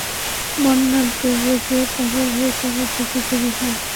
Bernardo রেগে পাগল হয়ে যাবে, যদি দেরি হয়।